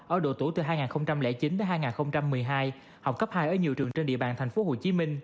ở độ tuổi từ hai nghìn chín đến hai nghìn một mươi hai học cấp hai ở nhiều trường trên địa bàn tp hcm